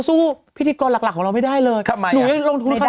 สวัสดีค่ะข้าวใส่ไข่สดใหม่เยอะสวัสดีค่ะ